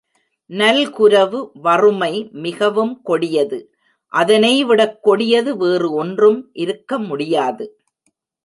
நல்குரவு வறுமை மிகவும் கொடியது அதனை விடக் கொடியது வேறு ஒன்றும் இருக்க முடியாது.